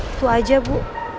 itu aja bu